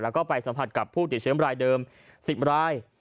แล้วก็ไปสัมผัสกับผู้ติดเชื้อรายเดิม๑๐ราย